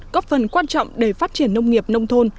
góp phần quan trọng để phát triển nông nghiệp nông thôn